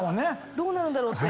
どうなるんだろうって。